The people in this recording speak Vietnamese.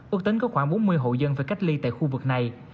ước tính có khoảng bốn mươi hộ dân phải cách ly tại khu vực này